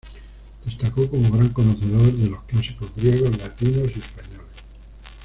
Destacó como gran conocedor de los clásicos griegos, latinos y españoles.